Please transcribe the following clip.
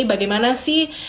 bagaimana sih pengalaman jadinya